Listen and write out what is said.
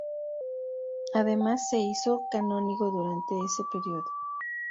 Además se hizo canónigo durante ese período.